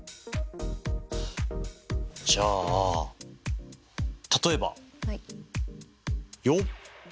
じゃあ例えばよっ！